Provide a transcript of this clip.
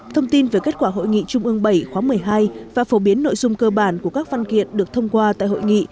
thông tin về kết quả hội nghị trung ương bảy khóa một mươi hai và phổ biến nội dung cơ bản của các văn kiện được thông qua tại hội nghị